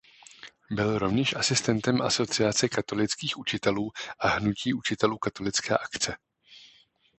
Byl rovněž asistentem Asociace katolických učitelů a Hnutí učitelů katolické akce.